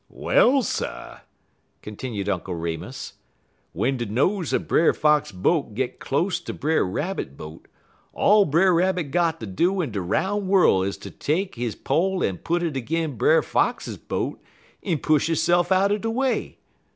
"Well, sir!" continued Uncle Remus, "w'en de nose er Brer Fox boat git close ter Brer Rabbit boat all Brer Rabbit got ter do in de roun' worl' is ter take he pole en put it 'gin' Brer Fox boat en push hisse'f out de way.